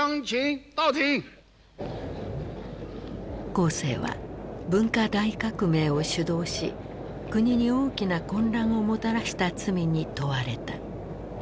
江青は文化大革命を主導し国に大きな混乱をもたらした罪に問われた。